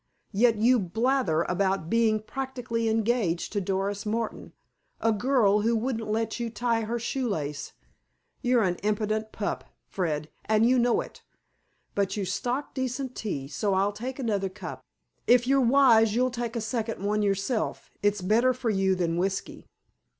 Yet you blather about being 'practically engaged' to Doris Martin, a girl who wouldn't let you tie her shoe lace. You're an impudent pup, Fred, and you know it. But you stock decent tea, so I'll take another cup. If you're wise, you'll take a second one yourself. It's better for you than whiskey."